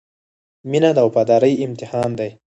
• مینه د وفادارۍ امتحان دی.